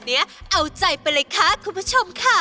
อ๋อญิค่ะเอาใจไปเลยคะคุณผู้ชมค่ะ